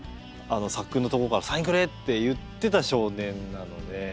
柵のとこからサインくれって言ってた少年なので。